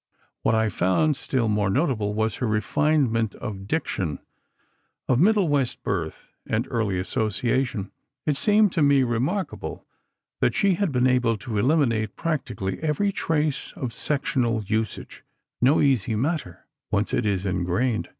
What I found still more notable was her refinement of diction. Of Middle West birth and early association, it seemed to me remarkable that she had been able to eliminate practically every trace of sectional usage—no easy matter, once it is ingrained.